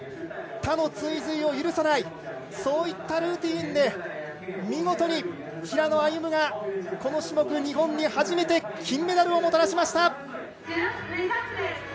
他の追随を許さないそういったルーティンで見事に平野歩夢がこの種目、日本に初めて金メダルをもたらしました！